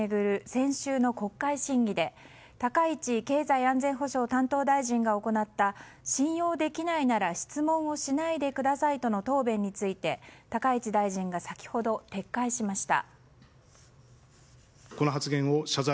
先週の国会審議で高市経済安全保障担当大臣が行った、信用できないなら質問をしないでくださいとの答弁について高市大臣が先ほど撤回しました。